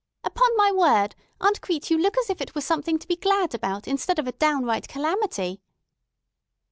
"Upon my word! Aunt Crete, you look as if it were something to be glad about, instead of a downright calamity."